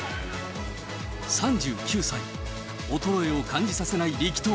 ３９歳、衰えを感じさせない力投。